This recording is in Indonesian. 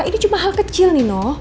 ini cuma hal kecil nino